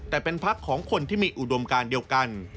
แต่เป็นพักของคนที่มีอุดมการเดียวกัน